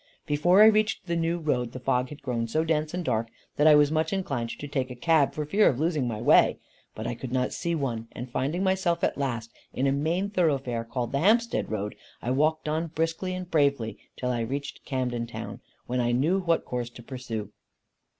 Before I reached the New Road, the fog had grown so dense and dark, that I was much inclined to take a cab, for fear of losing my way. But I could not see one, and finding myself at last in a main thoroughfare called the Hampstead Road, I walked on briskly and bravely till I reached Camden Town, when I knew what course to pursue.